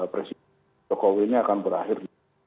presiden jokowi ini akan berakhir